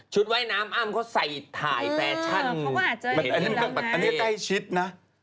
ชุดว่ายน้ำอ้ามเขาใส่ถ่ายแฟชั่นเพราะว่าเจออย่างนี้แล้วนะอันนี้ใกล้ชิดนะ